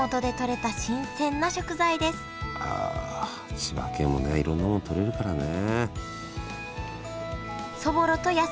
ああ千葉県もねいろんなもの採れるからね。